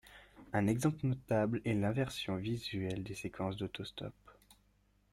Un exemple notable est l'inversion visuelle des séquences d'auto-stop.